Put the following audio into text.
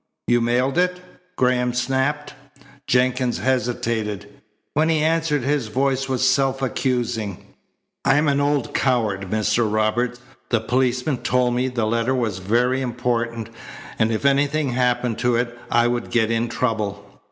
"You mailed it?" Graham snapped. Jenkins hesitated. When he answered his voice was self accusing. "I'm an old coward, Mr. Robert. The policeman told me the letter was very important, and if anything happened to it I would get in trouble.